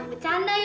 ngehukum asmat ya